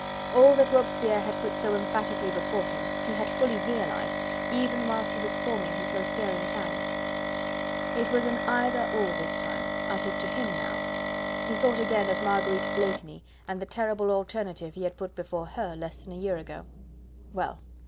All that Robespierre had put so emphatically before him, he had fully realised, even whilst he was forming his most daring plans. It was an "either or" this time, uttered to HIM now. He thought again of Marguerite Blakeney, and the terrible alternative he had put before HER less than a year ago. Well!